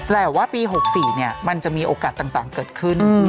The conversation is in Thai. แต่ว่าปี๖๔มันจะมีโอกาสต่างเกิดขึ้น